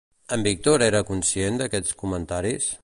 En Víctor era conscient d'aquests comentaris?